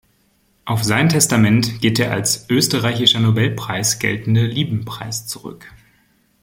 Auf sein Testament geht der als „österreichischer Nobelpreis“ geltende Lieben-Preis zurück.